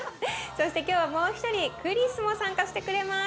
そして今日はもう一人クリスも参加してくれます。